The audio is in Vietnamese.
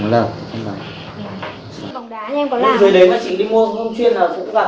dưới đấy mà chị đi mua không chuyên là cũng gặp hàng lợn đấy